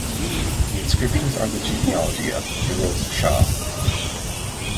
The inscriptions are the genealogy of Firoz Shah.